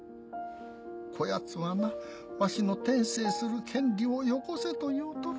こやつはなわしの転生する権利をよこせと言うとる。